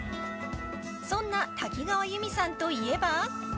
そんな多岐川裕美さんといえば。